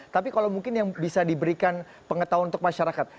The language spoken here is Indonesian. tapi kalau mungkin yang bisa diberikan pengetahuan untuk masyarakat